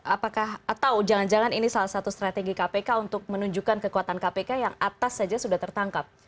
apakah atau jangan jangan ini salah satu strategi kpk untuk menunjukkan kekuatan kpk yang atas saja sudah tertangkap